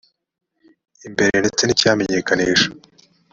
imbere ndeste n icyayimenyekanisha